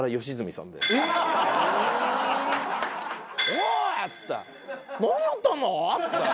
「おーい！」っつって「何やってんの？」っつって。